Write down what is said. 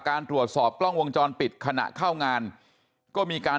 การตรวจสอบกล้องวงจรปิดขณะเข้างานก็มีการ